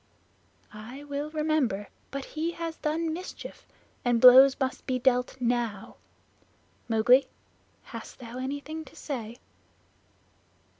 "I will remember. But he has done mischief, and blows must be dealt now. Mowgli, hast thou anything to say?"